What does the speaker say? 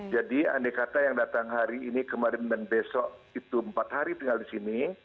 jadi andai kata yang datang hari ini kemarin dan besok itu empat hari tinggal di sini